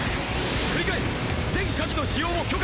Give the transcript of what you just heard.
繰り返す全火器の使用を許可。